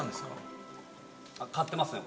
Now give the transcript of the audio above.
買ってますね